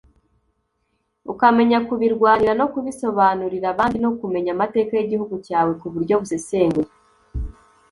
ukamenya kubirwanira no kubisobanurira abandi no kumenya amateka y’igihugu cyawe mu buryo busesenguye